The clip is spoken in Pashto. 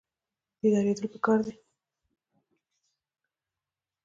بیداریدل پکار دي